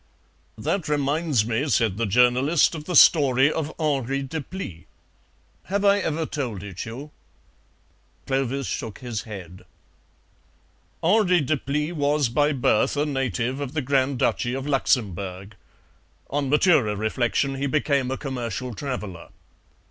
"That reminds me," said the journalist, "of the story of Henri Deplis. Have I ever told it you?" Clovis shook his head. "Henri Deplis was by birth a native of the Grand Duchy of Luxemburg. On maturer reflection he became a commercial traveller.